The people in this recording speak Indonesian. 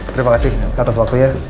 terima kasih atas waktunya